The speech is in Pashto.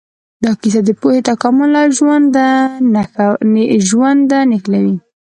دا کیسه د پوهې، تکامل او ژونده نښلوي.